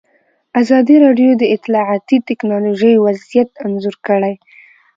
ازادي راډیو د اطلاعاتی تکنالوژي وضعیت انځور کړی.